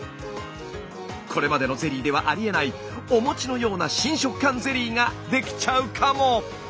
これまでのゼリーではありえないお餅のような新食感ゼリーが出来ちゃうかも。